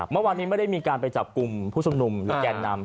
เมื่อวานนี้ไม่ได้มีการไปจับกลุ่มผู้ชุมนุมหรือแกนนำ